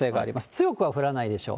強くは降らないでしょう。